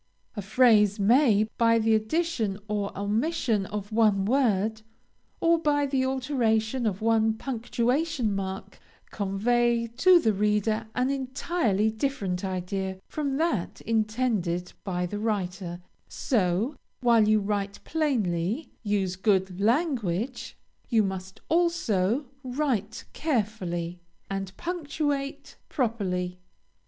A phrase may, by the addition or omission of one word, or by the alteration of one punctuation mark, convey to the reader an entirely different idea from that intended by the writer; so, while you write plainly, use good language, you must also write carefully, and punctuate properly.